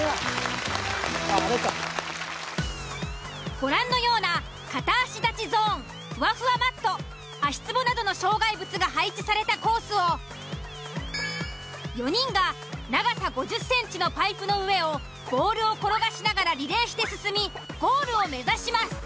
ご覧のような片足立ちゾ―ンふわふわマット足つぼなどの障害物が配置されたコースを４人が長さ５０ｃｍのパイプの上をボールを転がしながらリレーして進みゴールを目指します。